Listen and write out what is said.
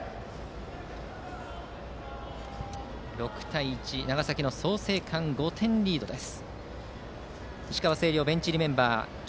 ６対１、長崎・創成館５点リードです。